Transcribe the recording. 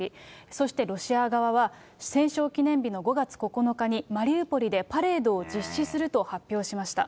そしてロシア側は戦勝記念日の５月９日に、マリウポリでパレードを実施すると発表しました。